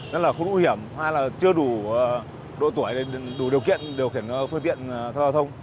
rất là khủng hiểm hay là chưa đủ độ tuổi đủ điều kiện điều kiện phương tiện giao thông